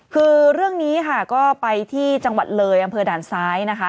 คือเรื่องนี้ค่ะก็ไปที่จังหวัดเลยอำเภอด่านซ้ายนะคะ